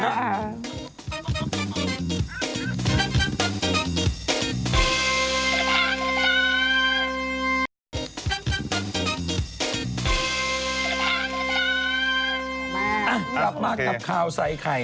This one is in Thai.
กลับมากับข่าวใส่ไข่